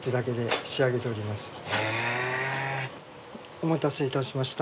お待たせいたしました。